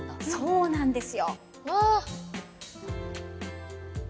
そうなんです